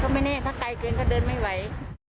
ไม่แน่ถ้าไกลเกินก็เดินไม่ไหว